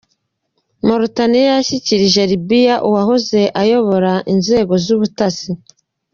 Moritaniya yashyikirije Libiya uwahoze ayobora inzego z’ubutasi